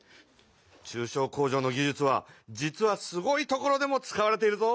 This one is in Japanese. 中小工場の技術は実はすごい所でも使われているぞ。